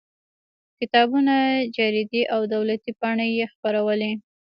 کتابونه جریدې او دولتي پاڼې یې خپرولې.